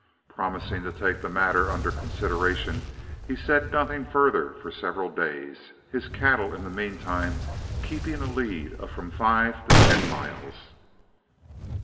Promising to take the matter under consideration, he said nothing further for several days, his cattle in the mean time keeping a lead of from five to ten miles.